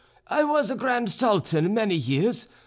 I was Grand Sultan many years.